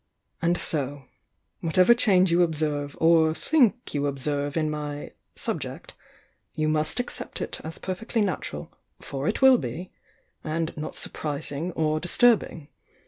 And so, — whatever change you observe or think you observe in my 'subject,' you must accept it as perfectly nat ural (for it will be) and not surprising or disturb ing.